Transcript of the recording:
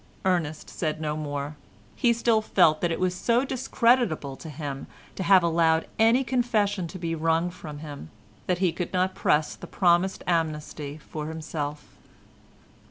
Ernest said no more; he still felt that it was so discreditable to him to have allowed any confession to be wrung from him, that he could not press the promised amnesty for himself.